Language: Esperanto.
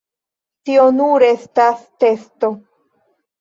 Tio nur estas testo.